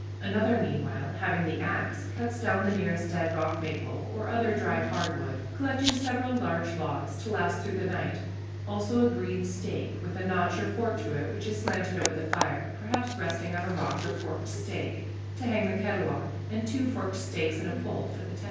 Another, meanwhile, having the axe, cuts down the nearest dead rock maple or other dry hard wood, collecting several large logs to last through the night, also a green stake, with a notch or fork to it, which is slanted over the fire, perhaps resting on a rock or forked stake, to hang the kettle on, and two forked stakes and a pole for the tent.